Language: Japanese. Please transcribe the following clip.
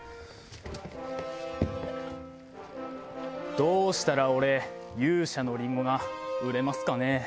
どうしたら俺勇者のりんごが売れますかね？